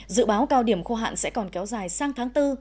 dự báo cao điểm khô hạn sẽ còn kéo dài sang tháng bốn